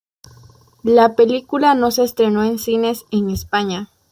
La película no se estrenó en cines en España.